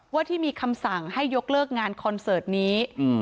ว่าที่มีคำสั่งให้ยกเลิกงานคอนเสิร์ตนี้